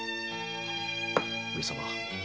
上様。